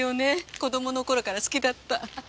子供の頃から好きだった。